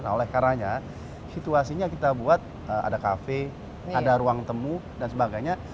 oleh karenanya situasinya kita buat ada cafe ada ruang temu dan sebagainya